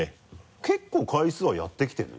結構回数はやってきてるの？